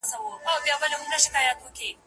یوې ښکلي ته نیژدې سو په خندا سو